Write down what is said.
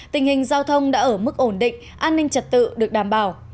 tình hình giao thông đã ở mức ổn định an ninh trật tự được đảm bảo